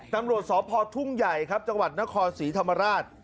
ตำรวจสพทุ่งใหญ่ครับจังหวัดนครศรีธรรมราช